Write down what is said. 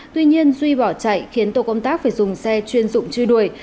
tuy nhiên duy bỏ chạy khiến tổ công tác phải dùng xe chuyên dụng truy đuổi